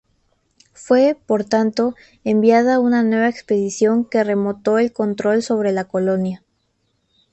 Fue, por tanto, enviada una nueva expedición que retomó el control sobre la colonia.